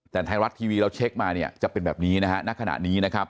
แต่ไทยรัฐทีวีเราจะตดดูมาจะเป็นแบบนี้นะฮะนักขนาดนี้นะครับ